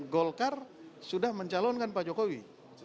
golkar sudah mencalonkan pak jokowi